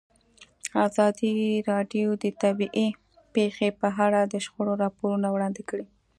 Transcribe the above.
ازادي راډیو د طبیعي پېښې په اړه د شخړو راپورونه وړاندې کړي.